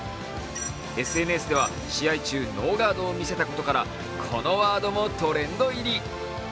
ＳＮＳでは、試合中ノーガードを見せたことからこのワードもトレンド入り。